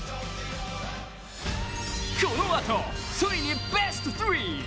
このあと、ついにベスト３位！